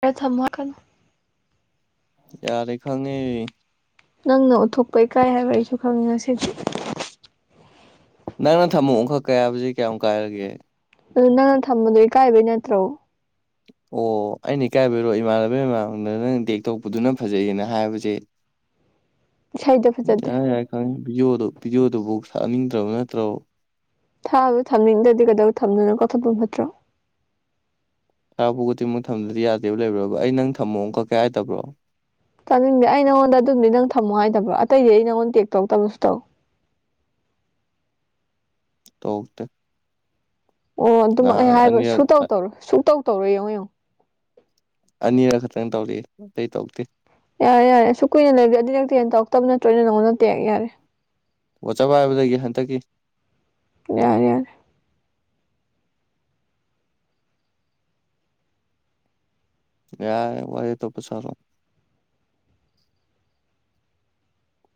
ꯈꯔ ꯊꯝꯃꯣ ꯈꯪ ꯌꯥꯔꯦ ꯈꯪꯉꯦ ꯅꯪꯅ ꯎꯠꯊꯣꯛꯄ ꯏꯀꯥꯏ ꯍꯥꯏꯕ ꯑꯩꯁꯨ ꯈꯪꯉꯦ ꯉꯁꯤꯗꯤ ꯅꯪꯅ ꯊꯝꯃꯣ ꯑꯣꯟꯈꯠꯀꯦ ꯍꯥꯏꯕꯖꯤ ꯀꯌꯥꯝ ꯀꯥꯏꯔꯒꯦ ꯑꯗꯨ ꯅꯪꯅ ꯊꯝꯕꯗꯣ ꯏꯀꯥꯏꯕꯩ ꯅꯠꯇ꯭ꯔꯣ ꯑꯣ ꯑꯩꯅ ꯏꯀꯥꯏꯕꯩꯔꯣ ꯏꯃꯥꯟꯅꯕꯩ ꯃꯃꯥꯡꯗ ꯅꯪ ꯇꯦꯛ ꯇꯧꯔꯛꯄꯗꯨꯅ ꯐꯖꯩꯌꯦꯅ ꯍꯥꯏꯕꯁꯦ ꯏꯁꯩꯗꯣ ꯐꯖꯗꯦ ꯌꯥꯔꯦ ꯌꯥꯔꯦ ꯈꯪꯉꯦ ꯚꯤꯗꯤꯑꯣꯗꯣ ꯚꯤꯗꯤꯑꯣꯗꯨꯕꯥꯎ ꯊꯥꯅꯤꯡꯗ꯭ꯔꯕ ꯅꯠꯇ꯭ꯔꯣ ꯊꯥꯕ ꯊꯝꯅꯤꯡꯗ꯭ꯔꯗꯤ ꯀꯩꯗꯧ ꯊꯝꯗꯣꯏꯅꯣ ꯀꯛꯊꯠꯄꯅ ꯐꯠꯇ꯭ꯔꯣ ꯊꯥꯔꯛꯄꯈꯨꯗꯤꯡꯃꯛ ꯊꯝꯗꯗꯤ ꯌꯥꯗꯦꯕ ꯂꯩꯕꯥꯔꯕ ꯑꯩ ꯅꯪ ꯊꯝꯃꯣ ꯀꯛꯀ ꯍꯥꯏꯗꯕ꯭ꯔꯣ ꯇꯥꯅꯤꯡꯗꯦ ꯑꯩ ꯅꯪꯉꯣꯟꯗ ꯑꯗꯨꯝꯗꯤ ꯅꯪ ꯊꯝꯃꯣ ꯍꯥꯏꯗꯕ꯭ꯔꯣ ꯑꯇꯩꯗꯤ ꯑꯩ ꯅꯪꯉꯣꯟꯗ ꯇꯦꯛ ꯇꯧꯔꯛꯇꯕꯔ ꯁꯨꯛꯇꯧ ꯇꯣꯛꯇ ꯑꯣ ꯑꯗꯨꯃꯛ ꯑꯩ ꯍꯥꯏꯕ ꯁꯨ ꯑꯅꯤꯔꯛ ꯇꯧ ꯇꯧꯔꯣ ꯁꯨ ꯇꯧꯔꯣ ꯌꯦꯡꯉꯣ ꯌꯦꯡꯉꯣ ꯑꯅꯤꯔꯛ ꯈꯛꯇꯪ ꯇꯧꯔꯛꯑꯦ ꯑꯇꯩ ꯇꯧꯔꯛꯇꯦ ꯌꯥꯔꯦ ꯌꯥꯔꯦ ꯑꯁꯨꯛ ꯀꯨꯏꯅ ꯂꯩꯕꯖꯦ ꯑꯗꯨꯗꯤ ꯅꯪ ꯇꯦꯟ ꯇꯧꯔꯛꯇꯕ ꯅꯠꯇ꯭ꯔꯣ ꯑꯩꯅ ꯅꯪꯉꯣꯟꯗ ꯇꯦꯛ ꯌꯥꯔꯦ ꯋꯥꯆꯞ ꯄꯥꯏꯕꯗꯒꯤ ꯍꯟꯗꯛꯀꯤ ꯌꯥꯔꯦ ꯌꯥꯔꯦ ꯌꯥꯏ ꯋꯔꯤ ꯇꯣꯞꯄꯁꯔꯣ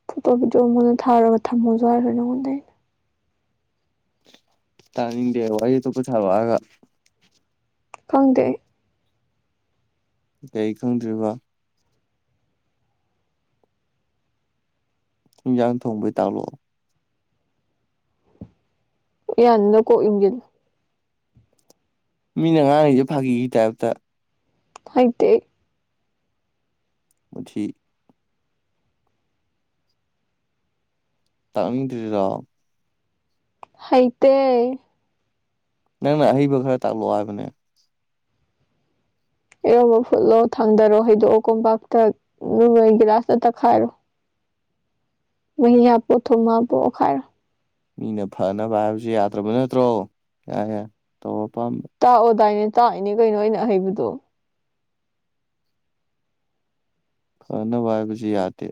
ꯐꯣꯇꯣ ꯚꯤꯗꯤꯑꯣ ꯑꯃꯨꯛ ꯍꯟꯅ ꯊꯥꯔꯒ ꯊꯝꯃꯁꯨ ꯍꯥꯏꯔꯣꯏ ꯅꯉꯣꯟꯗꯩ ꯇꯥꯅꯤꯡꯗꯦ ꯋꯥꯔꯤ ꯑꯇꯣꯞꯄ ꯁꯥꯔꯛꯑꯣ ꯍꯥꯏꯔꯒ ꯈꯪꯗꯦ ꯑꯩ ꯀꯩ ꯈꯪꯗ꯭ꯔꯤꯕ ꯍꯦꯟꯖꯥꯡ ꯊꯣꯡꯕꯩ ꯇꯥꯛꯂꯛꯑꯣ ꯎꯌꯥꯟꯗꯨꯗ ꯀꯣꯛ ꯌꯨꯡꯖꯜꯂꯨ ꯃꯤꯅ ꯉꯥꯡꯉꯤꯖꯦ ꯐꯥꯒꯤꯒꯤ ꯇꯥꯏꯞꯇ ꯍꯩꯇꯦ ꯑꯩ ꯃꯨꯊꯤ ꯇꯥꯛꯅꯤꯡꯗ꯭ꯔꯤꯔꯣ ꯍꯩꯇꯦ ꯅꯪꯅ ꯑꯍꯩꯕ ꯈꯔ ꯇꯥꯛꯂꯛꯑꯣ ꯍꯥꯏꯕꯅꯦ ꯏꯔꯣꯟꯕ ꯐꯨꯠꯂꯣ ꯊꯥꯡꯗꯔꯣ ꯍꯩꯗꯣꯛꯑꯣ ꯀꯣꯝꯄꯥꯛꯇ ꯑꯗꯨꯒ ꯒꯤꯂꯥꯁꯅ ꯇꯛꯈꯥꯏꯔꯣ ꯋꯥ ꯌꯥꯕꯣ ꯊ ꯃꯥꯕꯣꯑꯣ ꯈꯥꯏꯔ ꯃꯤꯅ ꯐꯅꯕ ꯍꯥꯏꯕꯖꯨ ꯌꯥꯗ꯭ꯔꯕ ꯅꯠꯇ꯭ꯔꯣ ꯌꯥꯔꯦ ꯌꯥꯔꯦ ꯇꯧꯔꯣ ꯑꯄꯥꯝꯕ ꯇꯥꯛꯑꯣꯗꯥꯏꯅꯦ ꯇꯥꯛꯏꯅꯦ ꯀꯩꯅꯣ ꯑꯩꯅ ꯍꯩꯕꯗꯣ ꯐꯅꯕ ꯍꯥꯏꯕꯖꯨ ꯌꯥꯗꯦ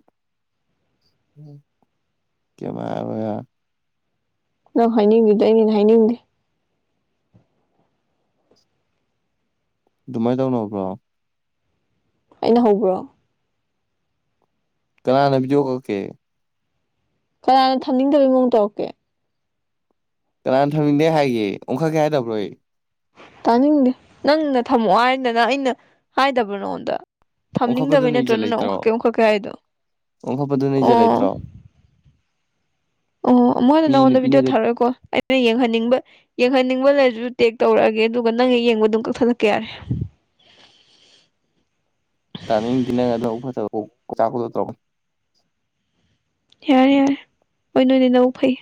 ꯀꯌꯤꯝ ꯍꯥꯏꯔꯔꯣꯏ ꯌꯥꯔꯦ ꯅꯪ ꯍꯥꯏꯅꯤꯡꯉꯤꯗ ꯑꯩꯅ ꯍꯦꯟꯅ ꯍꯥꯏꯅꯤꯡꯗꯦ ꯑꯗꯨꯃꯥꯏ ꯇꯧꯅꯕ꯭ꯔꯣ ꯑꯩꯅ ꯍꯧꯕ꯭ꯔꯣ ꯀꯅꯥꯅ ꯕꯤꯗꯤꯑꯣ ꯀꯛꯀꯦ ꯀꯅꯥꯅ ꯊꯝꯅꯤꯡꯗꯕꯩ ꯃꯑꯣꯡ ꯇꯧꯔꯛꯀꯦ ꯀꯅꯥꯅ ꯊꯝꯅꯤꯡꯗꯦ ꯍꯥꯏꯒꯦ ꯑꯣꯡꯈꯠꯀꯦ ꯍꯥꯏꯗꯕ꯭ꯔꯣꯏ ꯑꯩ ꯇꯥꯅꯤꯡꯗꯦ ꯅꯪꯅ ꯊꯝꯃꯛꯑꯣ ꯍꯥꯏꯗꯅ ꯑꯩꯅ ꯍꯥꯏꯗꯕꯔ ꯅꯉꯣꯟꯗ ꯊꯝꯅꯤꯡꯗꯕ ꯑꯣꯟꯈꯠꯄꯗꯨꯅ ꯅꯠꯇꯣ ꯅꯪ ꯑꯣꯡꯈꯛꯀꯦ ꯑꯣꯡꯈꯠꯀꯩ ꯍꯥꯏꯗꯣ ꯑꯣꯈꯣꯄꯗꯨ ꯅꯖ ꯑꯣ ꯂꯩꯇ꯭ꯔꯣ ꯑꯣ ꯃꯣꯏꯅ ꯃꯤ ꯅꯉꯣꯟꯗ ꯕꯤꯗꯤꯑꯣ ꯅꯨꯄꯤꯅꯒ ꯊꯔꯣꯏ ꯀꯣ ꯑꯩꯅ ꯌꯦꯡꯍꯟꯅꯤꯡꯕ ꯌꯦꯡꯍꯟꯅꯤꯡꯕ ꯂꯩꯔꯁꯨ ꯇꯦꯛ ꯇꯧꯔꯛꯑꯒꯦ ꯑꯗꯨꯒ ꯅꯪ ꯌꯦꯡꯕ ꯑꯗꯨꯝ ꯀꯛꯊꯠꯂꯛꯀꯦ ꯌꯥꯔꯦ ꯇꯥꯅꯤꯡꯗꯤ ꯅ ꯑꯗꯨꯅ ꯐꯖꯕꯥꯛ ꯇꯧꯅꯤ ꯌꯥꯔꯦ ꯌꯥꯔꯦ ꯍꯣꯏ ꯅꯣꯏꯗꯤ ꯅꯕꯨꯛ ꯐꯩ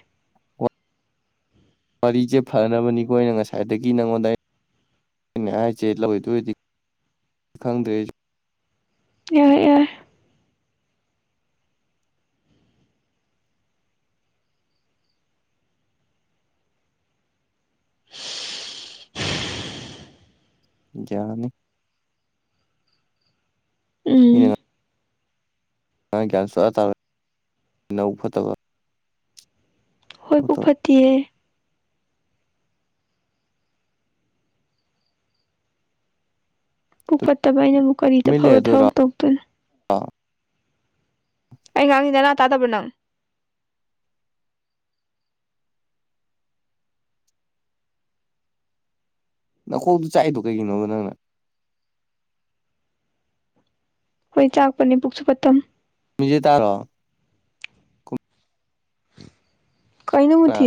ꯋꯥꯔꯤꯖꯦ ꯐꯅꯕꯅꯤꯒꯣ ꯑꯩꯅ ꯉꯁꯥꯏꯗꯒꯤ ꯅꯉꯣꯟꯗ ꯍꯥꯏ ꯑꯅꯦ ꯍꯥꯏꯁꯦ ꯂꯧꯔꯤꯗꯣꯏꯗꯤ ꯈꯪꯗ꯭ꯔꯦ ꯌꯥꯏꯣꯏ ꯌꯥꯏꯣꯏ [unintelligible] ꯌꯥꯅꯤ ꯎꯝ ꯌꯦ꯫ ꯑꯩ ꯒ꯭ꯌꯥꯟ ꯁꯨꯛꯇꯥ ꯇꯥꯔꯣꯏ ꯅꯕꯨꯛ ꯐꯠꯇꯕ꯫ ꯍꯣꯏ ꯄꯨꯛ ꯇꯧ ꯐꯠꯇꯤꯌꯦ꯫ ꯄꯨꯛ ꯐꯠꯇꯕ ꯑꯩꯅꯕꯨ ꯀꯔꯤꯗ ꯇꯨꯃꯤꯟ ꯐꯕ ꯂꯩꯔꯗꯣꯏꯔꯣ ꯊꯕꯛ ꯇꯧꯗꯣꯏꯅꯣ꯫ ꯑꯩ ꯉꯥꯡꯉꯤ ꯅꯅꯥ ꯇꯥꯗꯕ ꯅꯪ ꯅꯈꯣꯡꯇꯣ ꯆꯥꯛꯏꯗꯣ ꯀꯩꯒꯤꯅꯣꯕ ꯅꯪꯅ꯫ ꯑꯩꯈꯣꯏ ꯆꯥꯛꯄꯅꯦ ꯄꯨꯛꯁꯨ ꯄꯊꯝ ꯃꯤꯖꯦ ꯇꯔꯣ ꯀꯩꯅꯣ ꯃꯨꯊꯤ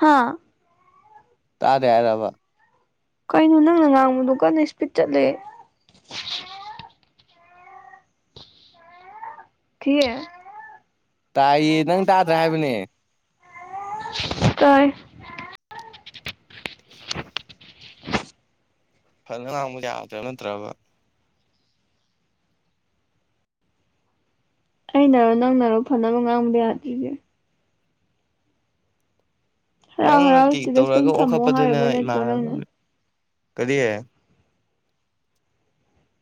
ꯍꯥꯥ ꯇꯥꯗꯦ ꯍꯥꯏꯔꯕ꯫ ꯀꯩꯅꯣ ꯅꯪꯅ ꯉꯥꯡꯕꯗꯨ ꯀꯟꯅ ꯏꯁꯄꯤꯠ ꯆꯠꯂꯦ꯫ ꯊꯤ꯫ ꯇꯥꯏꯌꯦ ꯅꯪ ꯇꯥꯗ꯭ꯔ ꯍꯥꯏꯕꯅꯦ꯫ ꯇꯥꯏ꯫ [unintelligible] ꯐꯅ ꯉꯔꯥꯡ ꯑꯃꯨꯛ ꯌꯥꯗꯕ ꯅꯠꯇ꯭ꯔꯕ꯫ ꯑꯩꯅꯔꯣ ꯅꯪꯅꯔꯣ ꯐꯅꯕ ꯉꯥꯡꯕꯗ ꯌꯥꯗ꯭ꯔꯤꯁꯦ ꯍꯔꯥꯎ ꯅꯪꯅ ꯍꯔꯥꯎ ꯇꯦꯛ ꯏꯁꯇꯦꯇꯁ ꯇꯧꯔꯛꯒ ꯇꯨꯝ ꯊꯝꯃꯣ ꯑꯣꯟꯈꯠꯄꯗꯨꯅ ꯍꯥꯏꯔꯨꯕꯩ ꯅꯠꯇ꯭ꯔꯣ ꯅꯪꯅ ꯏꯃꯥꯟꯅꯕ ꯀꯔꯤ꯫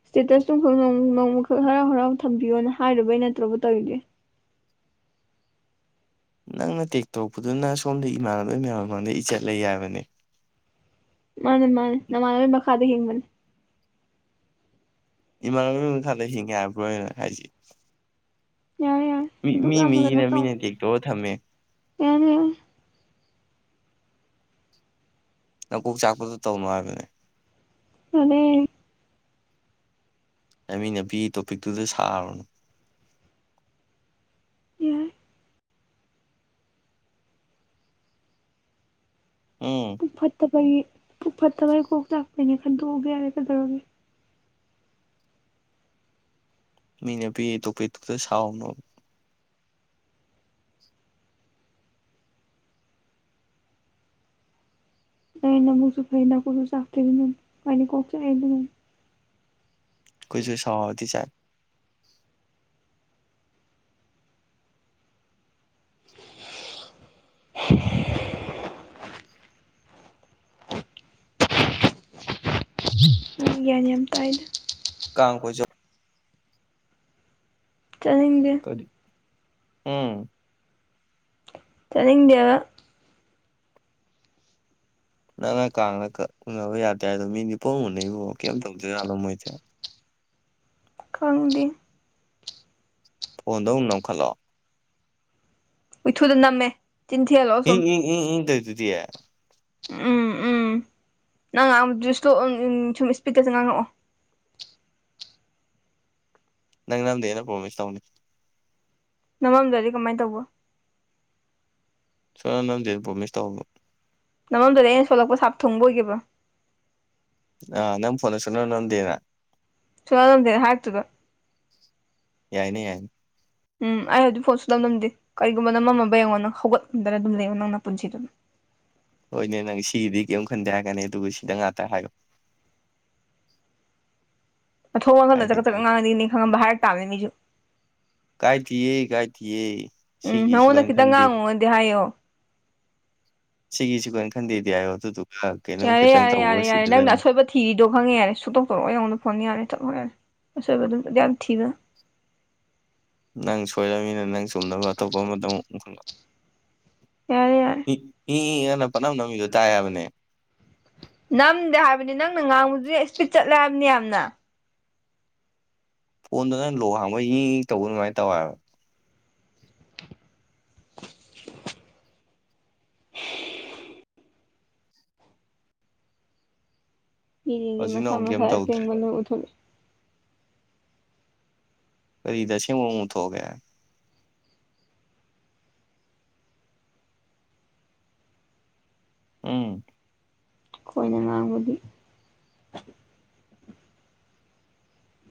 ꯁ꯭ꯇꯦꯇꯁꯇꯣ ꯅꯣꯡꯃ ꯅꯣꯡꯃꯈꯛ ꯍꯔꯥꯎ ꯍꯔꯥꯎ ꯊꯝꯕꯤꯌꯣꯅ ꯍꯥꯏꯔꯨꯕꯩ ꯅꯠꯇ꯭ꯔꯣꯕ ꯇꯧꯔꯤꯖꯦ꯫ ꯅꯪꯅ ꯇꯦꯛ ꯇꯧꯔꯄꯗꯨꯅ ꯁꯣꯝꯗ ꯏꯃꯥꯟꯅꯕꯩ ꯃꯌꯥꯝ ꯃꯥꯡꯗ ꯏꯖꯠ ꯂꯩ ꯍꯥꯏꯕꯅꯦ꯫ ꯃꯥꯅꯦ ꯃꯥꯅꯦ ꯅꯃꯥꯟꯅꯕ ꯃꯈꯥꯗ ꯍꯤꯡꯕꯅꯦ ꯏꯃꯥꯟꯅꯕꯒꯤ ꯃꯈꯥꯗ ꯍꯤꯡꯒꯦ ꯍꯥꯏꯕ꯭ꯔꯣ ꯑꯩ ꯍꯥꯏꯁꯤ꯫ ꯌꯥ ꯃꯤ ꯃꯤ ꯃꯤꯒꯤ ꯃꯤꯅ ꯇꯦꯛꯇꯧꯑ ꯊꯝꯃꯦ ꯑ ꯅꯀꯣꯛ ꯆꯥꯛꯄꯗꯨꯣ ꯇꯧꯅꯣ ꯍꯥꯏꯕꯅꯦ꯫ ꯍꯥꯅꯦ ꯅꯕꯤꯅꯄꯤꯒꯤ [inaudible] ꯇꯣꯄꯤꯛꯇꯨꯗ ꯁꯥꯔꯨꯅꯨ ꯌꯥꯏ ꯎꯝ꯫ ꯄꯨꯛ ꯐꯠꯇꯕꯒꯤ ꯄꯨꯛ ꯐꯠꯇꯕꯒꯤ ꯀꯣꯛ ꯆꯥꯛꯄꯩꯅꯦ ꯈꯟꯗꯣꯛ ꯑꯒꯦ ꯌꯥꯔꯦ ꯀꯩꯗꯧꯔꯒꯦ꯫ ꯃꯤꯅ ꯄꯤꯔꯤ ꯇꯣꯄꯤꯛꯇꯨꯗ ꯁꯥꯎꯅꯣ꯫ ꯅꯪ ꯅꯕꯨꯛꯁꯨ ꯐꯩ ꯅꯀꯣꯛꯁꯨ ꯆꯥꯛꯇ꯭ꯔꯦ ꯑꯗꯨꯅꯅꯤ ꯑꯩꯗꯤ ꯀꯣꯛ ꯆꯥꯛꯑꯦ ꯑꯗꯨꯅꯅꯤ ꯈꯣꯏꯁꯨ ꯁꯥꯎꯔꯗꯤ ꯆꯥꯛ ꯒ꯭ꯌꯥꯟ ꯌꯥꯝ ꯇꯥꯏꯗ ꯀꯥꯡ ꯀꯣꯏ ꯆꯠ꯫ ꯆꯠꯅꯤꯡꯗꯦ ꯎꯝ ꯆꯠꯅꯤꯡꯗꯦꯕ ꯅꯪꯅ ꯀꯥꯡꯗ ꯀꯛ ꯎꯅꯕ ꯌꯥꯗꯦ ꯍꯥꯏꯗꯣ ꯃꯤꯗꯤ ꯄꯪꯎ ꯎꯅꯩꯕꯣ ꯀꯩꯝ ꯇꯧꯗꯖꯥꯠꯂꯣ ꯃꯣꯏꯗꯤ꯫ ꯈꯪꯗꯦ ꯐꯣꯟꯗꯣ ꯑꯃꯨꯛ ꯅꯥꯝꯈꯠꯂꯣ꯫ ꯍꯨꯏꯊꯨꯗ ꯅꯝꯃꯦ ꯆꯤꯟ ꯊꯤꯍꯜꯂꯣ ꯁꯨꯝ꯫ ꯎꯝ ꯎꯝ ꯇꯧꯔꯤꯗꯨꯗꯤ ꯎꯝ ꯎꯝ ꯅꯪ ꯉꯥꯡꯕꯗꯣ ꯁꯄꯤꯠ ꯑꯝ ꯁꯨꯝ ꯏꯁꯄꯤꯠꯇ ꯉꯥꯡꯉꯛꯑꯣ꯫ ꯅꯪ ꯅꯥꯝꯗꯦꯅ ꯄ꯭ꯔꯣꯃꯤꯁ ꯇꯧꯅꯦ ꯅꯝꯃꯝꯗ꯭ꯔꯗꯤ ꯀꯃꯥꯏꯅ ꯇꯧꯕ ꯁꯨꯅꯥꯝ ꯅꯥꯝꯗꯦꯅ ꯄ꯭ꯔꯣꯃꯤꯁ ꯇꯧꯕ ꯅꯃꯝꯗ꯭ꯔꯗꯤ ꯑꯩꯅ ꯁꯣꯂꯛꯄ ꯁꯥꯞ ꯊꯨꯡꯕ ꯑꯣꯏꯒꯦꯕ꯫ ꯑ ꯅꯪ ꯐꯣꯟꯗꯨ ꯁꯨꯅꯝ ꯅꯝꯗꯦꯅ ꯁꯨꯅꯝ ꯅꯝꯗꯦ ꯍꯥꯏꯔꯛꯇꯣꯏꯕ꯫ ꯌꯥꯏꯅꯦ ꯌꯥꯏꯅꯦ ꯎꯝ ꯑꯩ ꯍꯧꯖꯤꯛ ꯐꯣꯟ ꯁꯨꯡꯅꯝ ꯅꯝꯗꯦ ꯀꯔꯤꯒꯨꯝꯕ ꯅꯃꯝꯃꯕ ꯌꯦꯡꯉꯣ ꯅꯪ ꯍꯧꯒꯠ ꯉꯝꯗꯅ ꯑꯗꯨꯝ ꯂꯩꯉꯣ ꯅꯪ ꯅꯄꯨꯟꯁꯤꯗꯨ ꯑꯗꯨꯝ꯫ ꯍꯣꯏꯅꯦ ꯅꯪ ꯁꯤꯒꯤꯗꯤ ꯀꯤꯝ ꯈꯟꯗꯦ ꯍꯥꯏꯒꯅꯤ ꯑꯗꯨꯒ ꯁꯤꯗ ꯉꯥꯛꯇ ꯍꯥꯏꯌꯣ꯫ ꯃꯊꯣꯡ ꯃꯔꯝ ꯈꯪꯗꯅ ꯀꯥꯏꯗꯦ ꯆꯒꯠ ꯆꯒꯠ ꯉꯥꯡꯉꯛ ꯑꯗꯤꯅꯦ ꯈꯪꯉꯕ꯭ꯔ ꯍꯥꯏꯔꯛ ꯇꯥꯕꯅꯤ ꯃꯤꯁꯨ꯫ ꯀꯥꯏꯗꯦꯌꯦ ꯀꯥꯏꯗꯦꯌꯦ ꯁꯤꯒꯤ ꯁꯨꯈꯟ ꯈꯟꯗꯦ ꯌꯥꯢꯑꯣ ꯁꯤꯒꯤꯁꯤ ꯈꯟꯗꯦꯗꯤ ꯍꯥꯏꯌꯣ ꯑꯗꯨꯗꯨꯒ ꯀꯩꯅꯣꯝ ꯌꯥꯔꯦ ꯈꯤꯇꯪ ꯌꯥꯔꯦ ꯇꯧꯕ ꯌꯥꯔꯦ ꯌꯥꯔꯦ ꯁꯤꯗꯗꯪ ꯅꯪꯅ ꯑꯁꯣꯏꯕ ꯊꯤꯔꯤꯗꯣ ꯈꯪꯉꯦ ꯌꯥꯔꯦ ꯁꯨꯡꯇꯧ ꯇꯧꯔꯛꯑꯣꯢ ꯅꯪꯉꯣꯟꯗ ꯐꯣꯟ ꯌꯥꯔꯦ ꯆꯠꯂꯣ ꯌꯥꯔꯦ ꯑꯁꯣꯏꯕ ꯑꯗꯨꯝ ꯌꯥꯝ ꯊꯤꯒꯅꯣ ꯅꯪ ꯁꯣꯏꯔꯕꯅꯤꯅ ꯅꯪ ꯆꯨꯝꯅꯕ ꯑꯇꯣꯞꯄ ꯑꯃꯗ ꯑꯃꯨ ꯈꯪ ꯌꯥꯔꯦ ꯌꯥꯔꯦ ꯏ ꯑꯦ ꯑꯦꯅ ꯅꯪꯅ ꯄꯪꯅꯝ ꯅꯝꯃꯤꯗꯣ ꯇꯥꯏ ꯍꯥꯏꯕꯅꯦ꯫ ꯅꯝꯗꯦ ꯍꯥꯏꯕꯅꯦ ꯅꯪꯅ ꯉꯥꯡꯕꯗꯨꯗꯤ ꯏꯁꯄꯤꯠ ꯆꯠꯂꯦ ꯍꯥꯏꯕꯅꯦ ꯌꯥꯝꯅ꯫ ꯐꯣꯟꯗꯨ ꯅꯪ ꯂꯣꯛ ꯍꯥꯡꯕꯩ ꯌꯦꯡ ꯌꯦꯡ ꯇꯧꯕ ꯑꯗꯨꯃꯥꯏꯅ ꯇꯧꯋꯦꯕ꯫ ꯃꯤꯁꯤꯡꯁꯦ ꯍꯧꯖꯤꯛꯅ ꯃꯁꯥ ꯑꯃꯨꯛ ꯃꯁꯥ ꯀꯩꯝ ꯇꯧꯗ꯭ꯔꯦ ꯑꯁꯦꯡꯕꯗꯣ ꯎꯠꯊꯣꯂꯛꯏ꯫ ꯀꯔꯤꯗ ꯑꯁꯦꯡꯕ ꯑꯃꯨꯛ ꯎꯊꯣꯛꯑꯒꯦ ꯎꯝ꯫ ꯈꯣꯏꯅ ꯉꯥꯡꯕꯗꯤ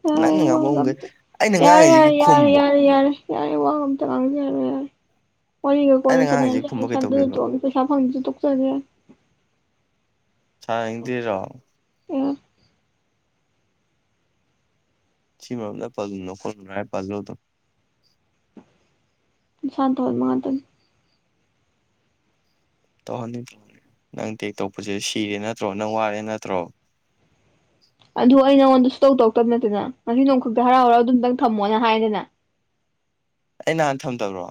ꯌꯥꯔꯦ ꯅꯪꯅ ꯌꯥꯔꯦ ꯉꯥꯡꯕ ꯋꯥꯒ ꯑꯃꯨꯛꯈꯩ ꯑꯝꯇ ꯑꯩꯅ ꯌꯥꯔꯦ ꯉꯥꯡꯉꯤꯁꯤꯒꯤ ꯌꯥꯔꯦ ꯌꯥꯔꯦ ꯈꯨꯝꯃꯨ ꯌꯥꯔꯦ ꯌꯥꯔꯦ꯫ ꯌꯥꯔꯦ ꯋꯥꯒ ꯑꯝꯇ ꯉꯥꯡꯖꯥꯔꯔꯣꯢ ꯌꯥꯔꯦ ꯋꯥꯔꯤꯒ ꯀꯣꯟꯅ ꯑꯩꯅ ꯉꯥꯡꯉꯤꯁꯤ ꯁꯥꯟꯅꯔꯁꯤ ꯈꯨꯝꯕ ꯀꯩꯗꯧꯒꯦꯕ ꯌꯥꯔꯦ ꯄꯩꯁꯥ ꯐꯪꯗ꯭ꯔꯁꯨ ꯇꯣꯛꯆꯔꯒꯦ ꯌꯥꯔꯦ ꯁꯥꯟꯅꯅꯤꯡꯗ꯭ꯔꯤꯔꯣ꯫ ꯑꯝ ꯁꯤ ꯃꯔꯝꯗ ꯄꯜꯂꯨꯅꯣ ꯈꯣꯠꯂꯨꯅꯣ ꯍꯥꯏꯔ ꯄꯜꯂꯣꯗꯨꯝ ꯅꯁꯥꯅ ꯇꯧꯍꯥꯜꯕ ꯉꯥꯛꯇꯅꯤ ꯇꯧꯍꯟꯅꯤ ꯇꯧꯍꯟꯅꯤ ꯅꯪ ꯇꯦꯛ ꯇꯧꯔꯛꯄꯁꯦ ꯁꯤꯔꯦ ꯅꯠꯇ꯭ꯔꯣ ꯅꯪ ꯋꯥꯔꯦ ꯅꯠꯇ꯭ꯔꯣ꯫ ꯑꯗꯨ ꯑꯩ ꯅꯉꯣꯟꯗ ꯁꯨꯇꯧ ꯇꯧꯔꯛꯇꯕ ꯅꯠꯇꯦꯅ ꯉꯁꯤ ꯅꯣꯡ ꯈꯛꯇ ꯍꯔꯥꯎ ꯍꯔꯥꯎ ꯑꯗꯨꯝꯇꯪ ꯊꯝꯃꯣꯅ ꯍꯥꯏꯔꯦꯗꯅ ꯑꯩ ꯅꯍꯥꯟ ꯊꯝꯗꯕ꯭ꯔꯣ꯫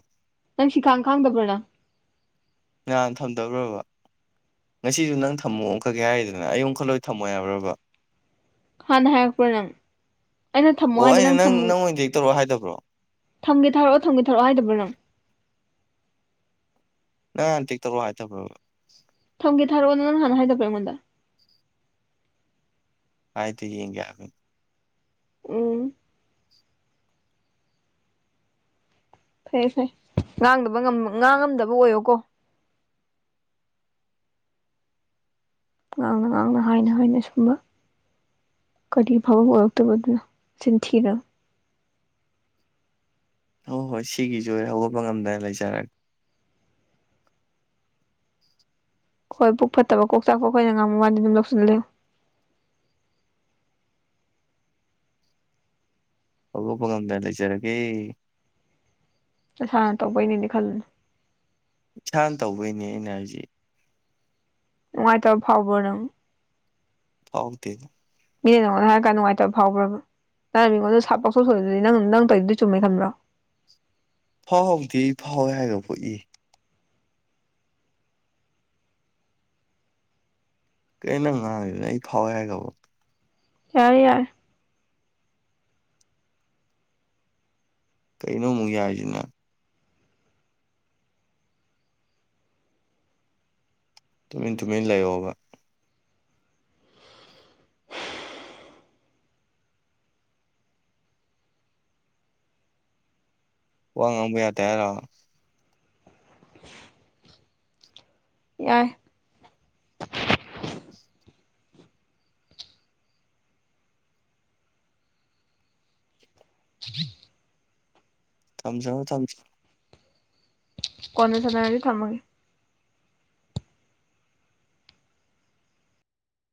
ꯅꯪ ꯁꯤꯈꯥꯡ ꯈꯥꯡꯗꯕ꯭ꯔꯥ ꯅꯪ ꯉꯍꯥꯟ ꯊꯝꯗꯕ꯭ꯔꯕꯥ ꯉꯁꯤꯁꯨ ꯅꯪ ꯊꯝꯃꯣ ꯑꫭꯡꯈꯛꯀꯦ ꯍꯥꯏꯔꯤꯗꯅ ꯑꯩ ꯑꫭꯡꯈꯠꯂꯣꯢ ꯊꯝꯃꯣꯢ ꯌꯥꯕ꯭ꯔꯕꯥ ꯍꯥꯟꯅ ꯍꯥꯏꯔꯛꯄ꯭ꯔꯥ ꯅꯪ ꯑꯩꯅ ꯊꯝꯃꯣ ꯑꯣ ꯍꯥꯏꯗ ꯑꯩꯅ ꯅꯪ ꯊꯝ ꯑꯣꯏꯅ ꯇꯦꯛ ꯇꯧꯔꯛꯑꯣ ꯍꯥꯏꯗꯕ꯭ꯔꯣ ꯊꯝꯒꯦ ꯊꯔꯛꯑꯣ ꯊꯝꯒ ꯊꯔꯛꯑꯣ ꯍꯥꯏꯗꯕ꯭ꯔꯣ ꯅꯪ꯫ ꯅꯪ ꯍꯥꯟꯅ ꯇꯦꯛ ꯇꯧꯔꯛꯑꯣ ꯍꯥꯏꯗꯕ꯭ꯔꯣꯕꯥ꯫ ꯊꯝꯒꯦ ꯊꯔꯛꯑꯣꯅ ꯅꯪ ꯍꯥꯟꯅ ꯍꯥꯏꯗꯕ꯭ꯔ ꯑꯩꯉꯣꯟꯗ ꯍꯥꯏꯗ‌ꯦ ꯌ‌ꯦꯡꯒ‌ꯦ ꯍꯥꯏꯕꯅꯤ ꯎꯝ ꯐꯩ ꯐꯩ ꯉꯥꯡꯗꯕ ꯉꯥꯡꯉꯝꯗꯕ ꯑꯣꯏꯌꯨꯀꯣ ꯉꯥꯡꯅ ꯉꯥꯡꯅ ꯍꯥꯏꯅ ꯍꯥꯏꯅ ꯑꯁꯨꯝꯕ ꯀꯔꯤ ꯑꯐꯕꯕ ꯑꯣꯏꯔꯛꯇꯣꯏꯕ ꯑꯗꯨꯅ ꯆꯤꯟ ꯊꯤꯔꯒ ꯍꯣꯏ ꯍꯣꯏ ꯁꯤꯒꯤꯁꯨ ꯑꯩ ꯍꯧꯒꯠꯄ ꯉꯝꯗꯅ ꯂꯩꯖꯔꯒꯦ꯫ ꯍꯣꯏ ꯄꯨꯛ ꯐꯠꯇꯕ ꯀꯣꯛ ꯆꯥꯛꯄ ꯑꯈꯣꯏꯅ ꯉꯥꯡꯕ ꯋꯥꯗꯤ ꯑꯗꯨꯝ ꯂꯧꯁꯤꯜꯂ ꯂꯩꯌꯨ꯫ ꯍꯧꯗꫭꯛꯄ ꯉꯝꯗꯅ ꯂꯩꯖꯔꯒꯦ꯫ ꯅꯁꯥꯅ ꯇꯧꯕꯩꯅꯦꯗꯤ ꯈꯜꯂꯨꯅꯨ꯫ ꯏꯁꯥꯅ ꯇꯧꯕꯩꯅꯦ ꯑꯩꯅ ꯍꯧꯏꯖ‌ꯦ ꯅꯨꯉꯥꯏꯇꯕ ꯐꯥꯎꯕꯔꫭ ꯅꯪ ꯍꯥꯎꯗ‌ꯦ꯫ ꯃꯤꯅ ꯅꯉꯣꯟꯗ ꯍꯥꯏꯔꯛ ꯀꯥꯟꯗ ꯅꯨꯡꯉꯥꯏꯇꯕ ꯐꯥꯎꯕ꯭ꯔꯕꯥ ꯅꯪꯅ ꯃꯤꯉꯣꯟꯗ ꯁꯥꯔꯞ ꯄꯪꯁꫭꯟ ꯁꯣꯏꯂꯤꯗꯨꯗꯤ ꯅꯪ ꯅꯪ ꯇꯧꯔꯤꯗꯨꯗꯤ ꯆꯨꯝꯃꯦ ꯈꯟꯕ꯭ꯔꯣ ꯐꯥꯎꯗꯦ ꯐꯥꯎꯋꯦ ꯍꯥꯏꯒꯔꯕꯣ ꯑꯦ ꯀꯩꯅꫭ ꯅꯪ ꯉꯥꯡꯉꯤꯗꯨꯅ ꯑꯩ ꯐꯥꯎꯋꯦ ꯍꯥꯏꯒꯕꯣ ꯌꯥꯔ‌ꯦ ꯌꯥꯔ‌ꯦ ꯀꯩꯅꯣ ꯑꯃꯨꯛ ꯌꯥꯏꯖꯤꯅ ꯇꯨꯃꯤꯟ ꯇꯨꯃꯤꯟ ꯂꯩꯌꯣꯕ ꯋꯥ ꯉꯥꯡꯕ ꯌꯥꯗ‌ꯦ ꯍꯥꯏꯔꯣ ꯌꯥꯏ ꯊꯝꯖꯔꯣ ꯊꯝꯖꯔꯣ ꯀꯣꯟꯅ ꯁꯥꯟꯅꯔꯖꯤ ꯊꯝꯃꯒꯦ